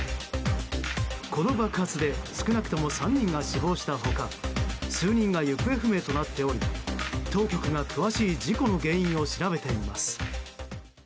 この爆発で少なくとも３人が死亡した他数人が行方不明となっており当局が、詳しい事故の原因を調べています。